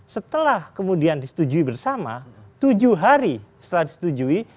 setelah kemudian disetujui bersama tujuh hari setelah disetujui